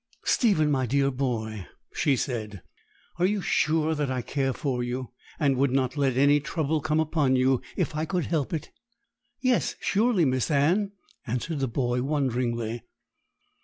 'Stephen, my dear boy,' she said, 'are you sure that I care for you, and would not let any trouble come upon you if I could help it?' 'Yes, surely, Miss Anne,' answered the boy wonderingly.